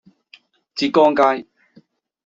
浙江街